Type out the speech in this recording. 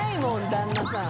旦那さん。